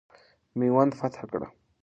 میوند فتح کړه.